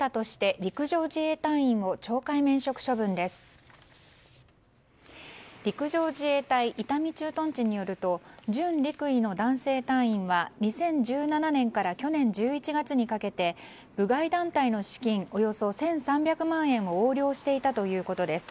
陸上自衛隊伊丹駐屯地によると準陸尉の男性隊員は２０１７年から去年１１月にかけて部外団体の資金およそ１３００万円を横領していたということです。